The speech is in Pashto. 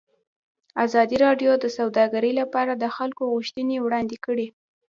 ازادي راډیو د سوداګري لپاره د خلکو غوښتنې وړاندې کړي.